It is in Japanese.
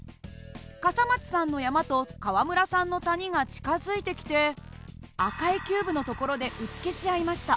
笠松さんの山と川村さんの谷が近づいてきて赤いキューブの所で打ち消し合いました。